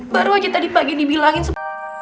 baru aja tadi pagi dibilangin semua